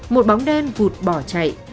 một bóng đen vụt bỏ chạy